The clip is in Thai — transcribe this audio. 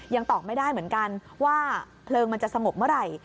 ตอบไม่ได้เหมือนกันว่าเพลิงมันจะสงบเมื่อไหร่